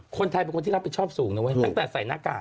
คนไทยเป็นคนที่รับผิดชอบสูงนะเว้ยตั้งแต่ใส่หน้ากาก